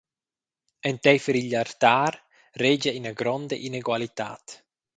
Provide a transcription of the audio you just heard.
Enteifer igl artar regia ina gronda inegualitad.